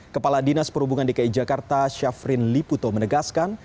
kepala dinas perhubungan dki jakarta syafrin liputo menegaskan